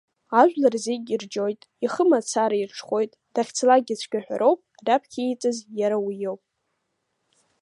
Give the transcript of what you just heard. Ажәлар зегь ирџьоит, ихы мацара ирҽхәоит, дахьцалакгьы цәгьаҳәароуп, раԥхьа ииҵаз иара уиоуп.